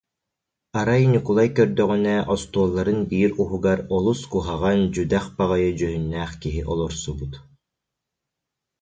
Арай Ньукулай көрдөҕүнэ, остуолларын биир уһугар олус куһаҕан, дьүдьэх баҕайы дьүһүннээх киһи олорсубут